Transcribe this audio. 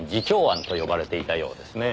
慈朝庵と呼ばれていたようですね。